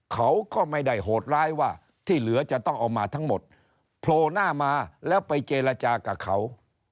เขาก็ไม่ได้โหดร้ายว่าที่เหลือจะต้องเอามาทั้งหมดโผล่หน้ามาแล้วไปเจรจากับเขา